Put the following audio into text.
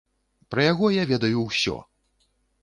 Пра яго я ведаю ўсё!